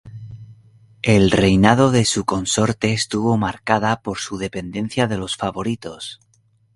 El reinado de su consorte estuvo marcada por su dependencia de los favoritos.